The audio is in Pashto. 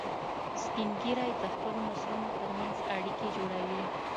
سپین ږیری د خپلو نسلونو تر منځ اړیکې جوړوي